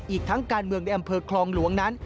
อีกทั้งการเมืองในอำเภอคลองหลวงนั้น